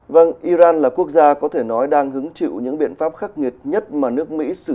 vâng iran là quốc gia có thể nói đang hứng chịu những biện pháp khắc nghiệt nhất mà nước mỹ sử dụng